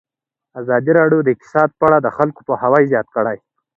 ازادي راډیو د اقتصاد په اړه د خلکو پوهاوی زیات کړی.